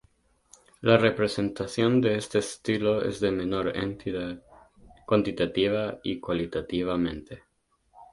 La representación de este estilo es de menor entidad, cuantitativa y cualitativamente.